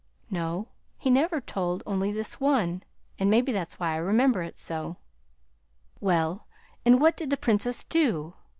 "No. He never told only this one and maybe that's why I remember it so." "Well, and what did the Princess do?"